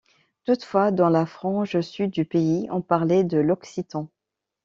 Toutefois, dans la frange sud du pays on parlait l'occitan.